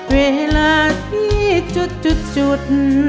เวลาที่จุด